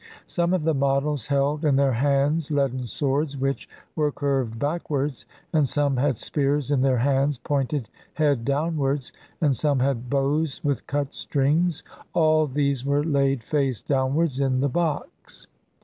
Some of the models held in their hands leaden swords which were curved backwards, and some had spears in their hands pointed head downwards, and some had bows with cut strings ; all these were laid face downwards in the box.